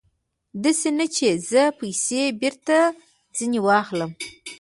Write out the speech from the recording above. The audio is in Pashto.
داسې نه چې زه پیسې بېرته ځنې واخلم.